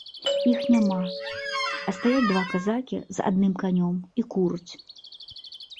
Іх няма, а стаяць два казакі з адным канём і кураць.